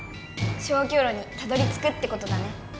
消去炉にたどりつくってことだね！